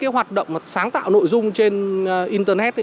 hoạt động sáng tạo nội dung trên internet